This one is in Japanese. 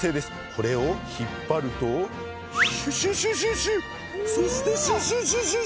これを引っ張るとシュシュシュシュシュそしてシュシュシュシュシュ。